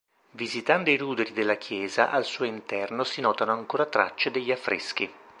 Visitando i ruderi della chiesa, al suo interno si notano ancora tracce degli affreschi.